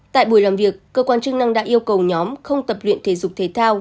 tại buổi làm việc cơ quan chức năng đã yêu cầu nhóm không tập luyện thể dục thể thao